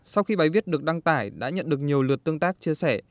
sau khi bài viết được đăng tải đã nhận được nhiều lượt tương tác chia sẻ